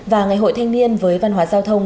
và ngày hội thanh niên với văn hóa giao thông